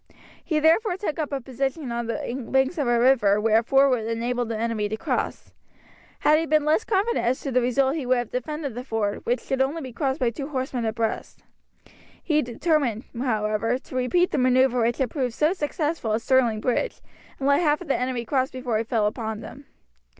He therefore took up a position on the banks of a river where a ford would enable the enemy to cross. Had he been less confident as to the result he would have defended the ford, which could be only crossed by two horsemen abreast. He determined, however, to repeat the maneuver which had proved so successful at Stirling Bridge, and to let half of the enemy cross before he fell upon them.